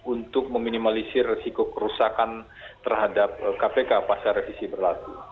untuk meminimalisir resiko kerusakan terhadap kpk pasal revisi berlaku